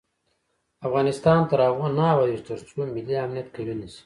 افغانستان تر هغو نه ابادیږي، ترڅو ملي امنیت قوي نشي.